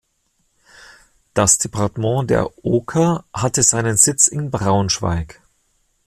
Das Departement der Oker hatte seinen Sitz in Braunschweig.